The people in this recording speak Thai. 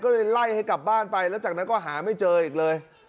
ก็เลยไล่ให้กลับบ้านไปแล้วจากนั้นก็หาไม่เจออีกเลย